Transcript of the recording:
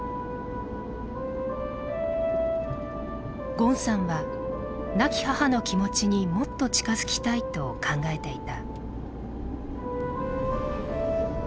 ゴンさんは亡き母の気持ちにもっと近づきたいと考えていた。